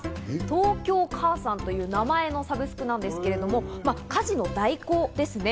東京かあさんという名前のサブスクなんですけれども、家事の代行ですね。